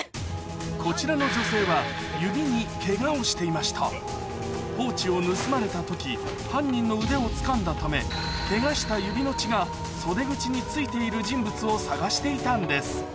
こちらの女性はポーチを盗まれた時犯人の腕をつかんだためケガした指の血が袖口についている人物を探していたんです